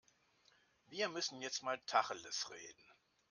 Wir müssen jetzt mal Tacheles reden.